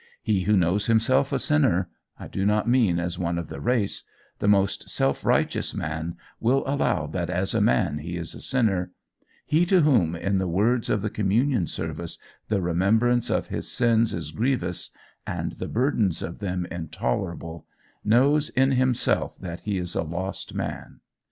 He who knows himself a sinner I do not mean as one of the race the most self righteous man will allow that as a man he is a sinner he to whom, in the words of the communion service, the remembrance of his sins is grievous, and the burden of them intolerable, knows in himself that he is a lost man.